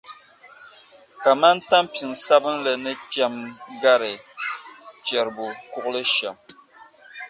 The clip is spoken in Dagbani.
Kaman tampiŋ sabinli ni kpɛm’ gari chɛribokuɣili shɛm.